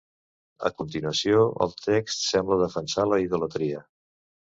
A continuació el text sembla defensar la idolatria.